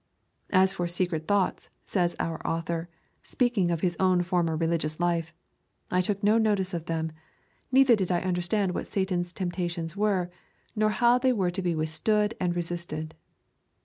'As for secret thoughts,' says our author, speaking of his own former religious life, 'I took no notice of them, neither did I understand what Satan's temptations were, nor how they were to be withstood and resisted.'